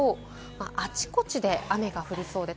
あちこちで雨が降りそうです。